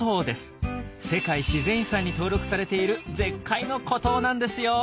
世界自然遺産に登録されている絶海の孤島なんですよ。